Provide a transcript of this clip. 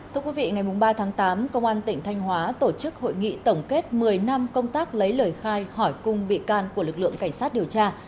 thưa quý vị ngày ba tháng tám công an tỉnh thanh hóa tổ chức hội nghị tổng kết một mươi năm công tác lấy lời khai hỏi cung bị can của lực lượng cảnh sát điều tra